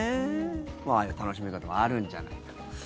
楽しみ方もあるんじゃないかと。